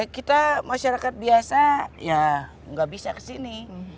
kita masyarakat biasa ya gak bisa ke sini